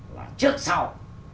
là trước sau